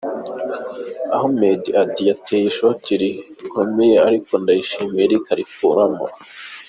' Ahmed Eid yarateye ishoti rikomeye ariko Ndayishimiye Eric arikuramo.